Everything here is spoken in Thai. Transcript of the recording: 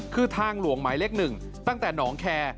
คือทางหลวงหมายเลข๑ตั้งแต่หนองแคร์